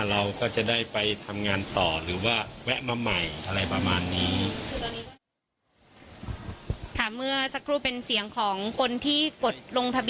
เราก็จะได้ไปทำงานต่อหรือว่าแวะมาใหม่อะไรประมาณนี้คือตอนนี้ค่ะเมื่อสักรูปเป็นเสียงของคนที่กดลง